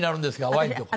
ワインとか。